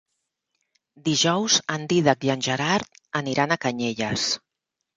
Dijous en Dídac i en Gerard iran a Canyelles.